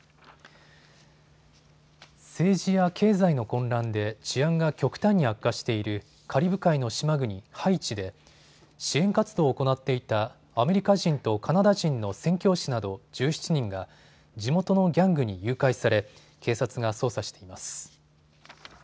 政治や経済の混乱で治安が極端に悪化しているカリブ海の島国ハイチで支援活動を行っていたアメリカ人とカナダ人の宣教師など１７人が地元のギャングに誘拐され警察が捜査しています。